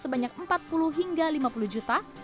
kepala kesehatan snow mencapai empat puluh hingga lima puluh juta